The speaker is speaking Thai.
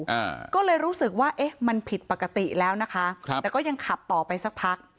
อ่าก็เลยรู้สึกว่าเอ๊ะมันผิดปกติแล้วนะคะครับแต่ก็ยังขับต่อไปสักพัก